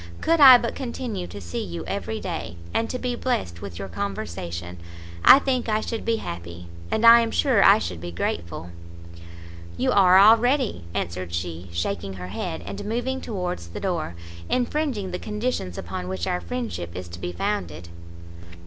Could I but continue to see you every day, and to be blest with your conversation, I think I should be happy, and I am sure I should be grateful." "You are already," answered she, shaking her head, and moving towards the door, "infringing the conditions upon which our friendship is to be founded."